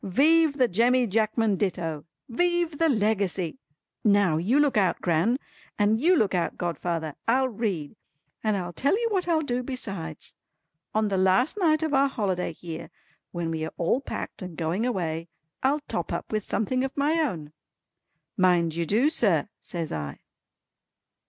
Vive the Jemmy Jackman Ditto! Vive the Legacy! Now, you look out, Gran. And you look out, godfather. I'll read! And I'll tell you what I'll do besides. On the last night of our holiday here when we are all packed and going away, I'll top up with something of my own." "Mind you do sir" says I.